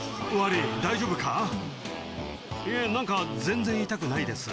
「いえ何か全然痛くないです」